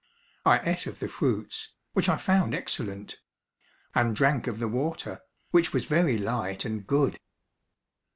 I ate of the fruits, which I found excellent; and drank of the water, which was very light and good.